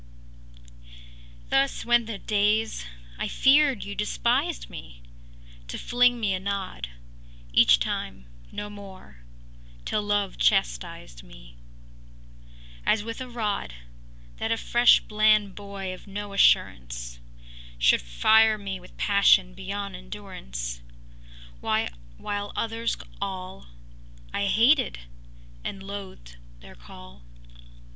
“Thus went the days. I feared you despised me To fling me a nod Each time, no more: till love chastised me As with a rod That a fresh bland boy of no assurance Should fire me with passion beyond endurance, While others all I hated, and loathed their call.